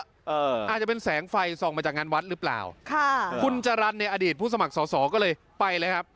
อาจจะเป็นแสงไฟส่องมาจากงานวัดหรือเปล่าค่ะคุณจรรย์ในอดีตผู้สมัครสอสอก็เลยไปเลยครับ